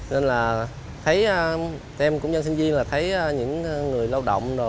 nên là thấy em cũng nhân sinh viên là thấy những người lao động